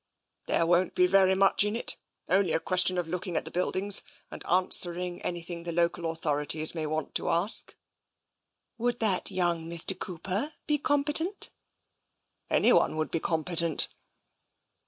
" There won't be very much in it. Only a question of looking at the buildings, and answering an3rthing the local authorities may want to ask." Would that young Mr. Cooper be competent? " Anyone would be competent."